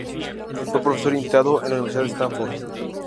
Fue profesor invitado en la universidad de Stanford.